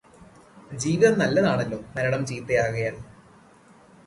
ജീവിതം നല്ലതാണല്ലോ മരണം ചീത്തയാകയാൽ.